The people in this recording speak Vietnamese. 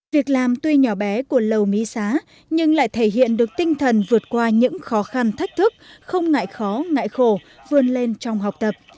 việc làm tuy nhỏ bé của lầu mỹ xá nhưng lại thể hiện được tinh thần vượt qua những khó khăn thách thức không ngại khó ngại khổ vươn lên trong học tập